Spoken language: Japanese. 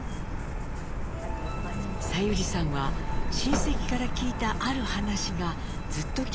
さゆりさんは親戚から聞いたある話がずっと気になっていました。